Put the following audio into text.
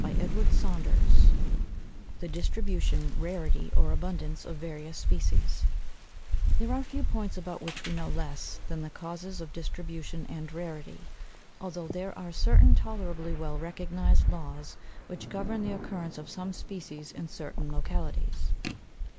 THE DISTRIBUTION, RARITY, OR ABUNDANCE OF VARIOUS SPECIES There are few points about which we know less than the causes of distribution and rarity, although there are certain tolerably well recognized laws which govern the occurrence of some species in certain localities.